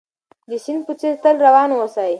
د سيند په څېر تل روان اوسئ.